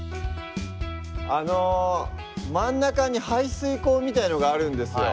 あの真ん中に排水溝みたいのがあるんですよ。